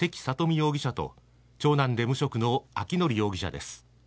容疑者と長男で無職の明範容疑者です。